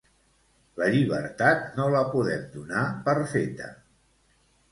La llibertat no la podem donar per feta.